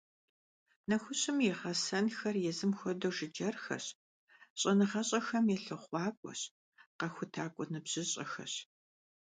Нэхущым и гъэсэнхэр езым хуэдэу жыджэрхэщ, щӀэныгъэщӀэхэм я лъыхъуакӀуэщ, къэхутакӀуэ ныбжьыщӀэхэщ.